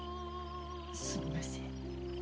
すみません。